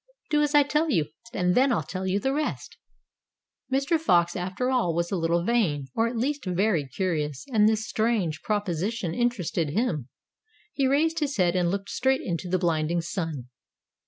"Do as I tell you, and then I'll tell you the rest." Mr. Fox, after all, was a little vain, or at least very curious, and this strange proposition interested him. He raised his head, and looked straight into the blinding sun.